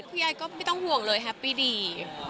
พี่ไอก็ไม่ต้องห่วงเลยแฮปปี้ดี